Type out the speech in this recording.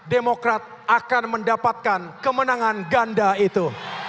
demokrat akan mendapatkan kemenangan ganda itu